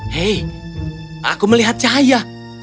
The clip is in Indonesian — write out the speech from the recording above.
hei aku melihat cahaya